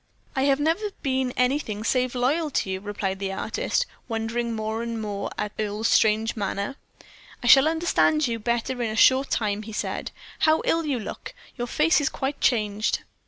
"I have never been anything save loyal to you," replied the artist, wondering more and more at Earle's strange manner. "I shall understand you better in a short time," he said. "How ill you look your face is quite changed."